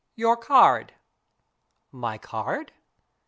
"Your card." "My card?"